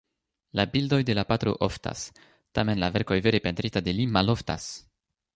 La bildoj de la patro oftas, tamen la verkoj vere pentrita de li maloftas!